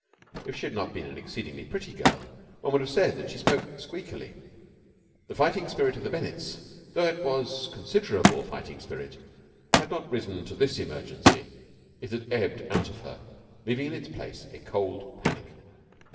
If she had not been an exceedingly pretty girl, one would have said that she spoke squeakily. The fighting spirit of the Bennetts, though it was considerable fighting spirit, had not risen to this emergency. It had ebbed out of her, leaving in its place a cold panic.